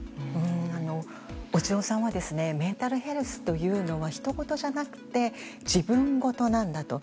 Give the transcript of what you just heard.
小塩さんはメンタルヘルスというのはひとごとじゃなくてじぶんごとなんだと。